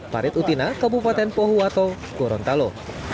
farid utina kabupaten pohuwato gorontalo